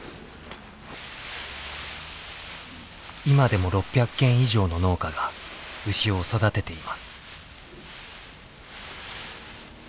今でも６００軒以上の農家が牛を育てています。